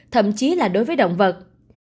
thậm chí là đối với động vật